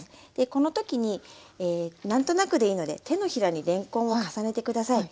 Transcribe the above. この時に何となくでいいので手のひらにれんこんを重ねて下さい。